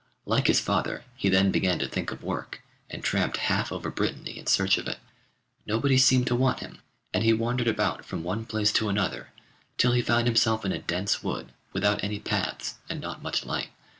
Like his father, he then began to think of work, and tramped half over Brittany in search of it. Nobody seemed to want him, and he wandered about from one place to another, till he found himself in a dense wood, without any paths, and not much light.